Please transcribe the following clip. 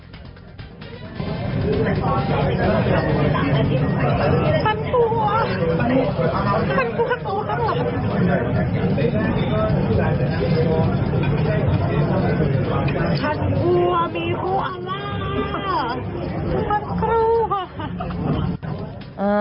ฉันกลัวมีโคอาร่าฉันกลัว